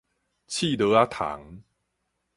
刺羅仔蟲